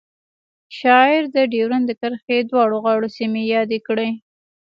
شاعر د ډیورنډ د کرښې دواړو غاړو سیمې یادې کړې